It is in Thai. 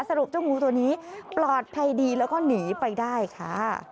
สรุปเจ้างูตัวนี้ปลอดภัยดีแล้วก็หนีไปได้ค่ะ